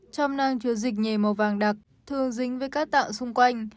trong nang chứa dịch nhầy màu vàng đặc thường dính với các tạo xung quanh